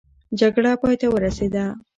جګړه پای ته ورسېده.